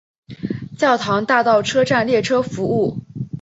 教堂大道车站列车服务。